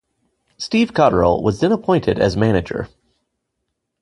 Steve Cotterill was then appointed as manager.